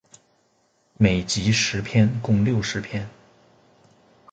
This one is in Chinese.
每集十篇共六十篇。